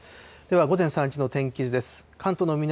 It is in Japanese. では午前３時の天気図です。